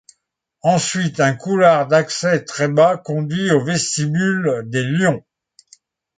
Ensuite, un couloir d'accès très bas conduit au vestibule des lions.